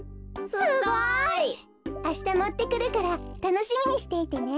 すごい！あしたもってくるからたのしみにしていてね。